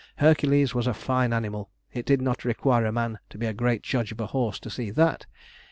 Hercules was a fine animal. It did not require a man to be a great judge of a horse to see that.